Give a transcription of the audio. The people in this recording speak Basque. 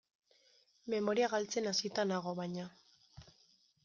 Memoria galtzen hasita nago, baina.